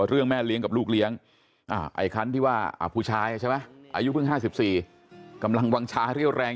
เรื่องแม่เลี้ยงกับลูกเลี้ยงไอ้คันที่ว่าผู้ชายใช่ไหมอายุเพิ่ง๕๔กำลังวางชาเรี่ยวแรง